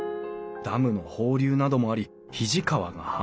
ダムの放流などもあり肱川が氾濫。